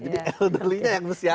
jadi elderlynya yang harus ya out